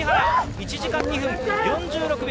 １時間２分４６秒。